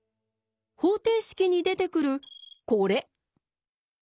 方程式に出てくるこれ。